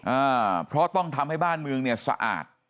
อ่าเพราะต้องทำให้บ้านเมืองเนี่ยสะอาด